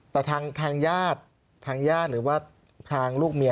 แต่ทางญาติทางญาติหรือว่าทางลูกเมีย